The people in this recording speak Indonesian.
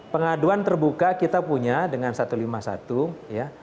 pengaduan terbuka kita punya dengan satu ratus lima puluh satu ya